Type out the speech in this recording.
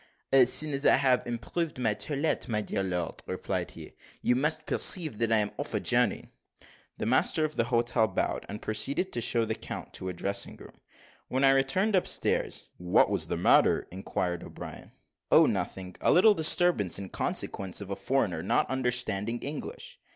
"As soon as I have improved my toilet, my dear lord," replied he "you must perceive that I am off a journey." The master of the hotel bowed, and proceeded to show the count to a dressing room. When I returned up stairs "What was the matter?" inquired O'Brien. "O nothing! a little disturbance in consequence of a foreigner not understanding English."